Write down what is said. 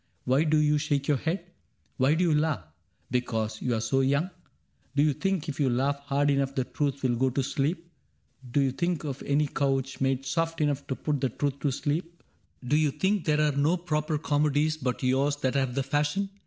Why do you shake youf head ? Why do you laugh ?— because you are so young ? Do you think if you laugh hard enough the truth Will go to sleep ? Do you think of any couch Made soft enough to put the truth to sleep f Do you think there are no proper comedies But yours that have the fashion